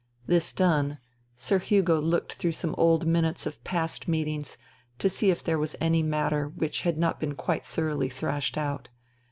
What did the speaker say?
This done. Sir Hugo looked through some old minutes of past meetings to see if there was any matter which had not been quite thoroughly thrashed out.